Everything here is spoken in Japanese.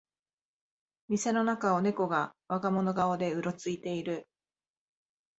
店の中をネコが我が物顔でうろついてる